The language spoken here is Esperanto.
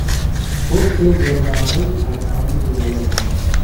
Poste germanoj refondis la lokon.